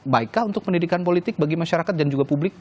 baikkah untuk pendidikan politik bagi masyarakat dan juga publik